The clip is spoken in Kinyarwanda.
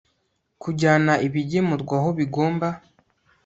kujyana ibigemurwa aho bigomba